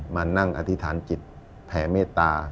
มานั่งอธิษฐานจิตแผ่เมตตา